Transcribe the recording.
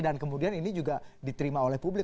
dan kemudian ini juga diterima oleh publik